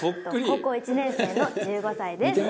高校１年生の１５歳です。